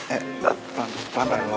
eh pelan pelan lo